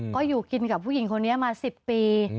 ก็อยู่กินกับผู้หญิงคนนี้มา๑๐ปี